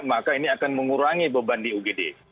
maka ini akan mengurangi beban di ugd